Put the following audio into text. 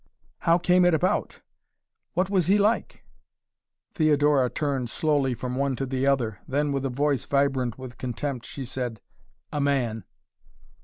"How came it about?" "What was he like?" Theodora turned slowly from the one to the other. Then with a voice vibrant with contempt she said: "A man!"